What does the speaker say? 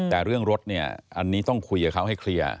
แต่เรื่องรถเนี่ยอันนี้ต้องคุยกับเขาให้เคลียร์